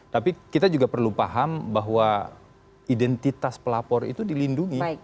tapi kita juga perlu paham bahwa identitas pelapor itu dilindungi